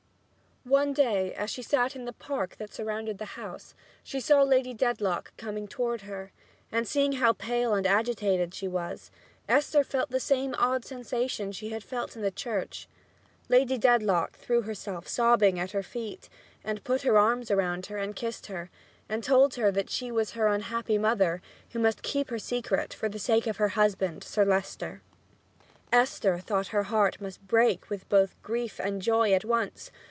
One day, as she sat in the park that surrounded the house, she saw Lady Dedlock coming toward her, and seeing how pale and agitated she was, Esther felt the same odd sensation she had felt in the church. Lady Dedlock threw herself sobbing at her feet, and put her arms around her and kissed her, as she told her that she was her unhappy mother, who must keep her secret for the sake of her husband, Sir Leicester. Esther thought her heart must break with both grief and joy at once.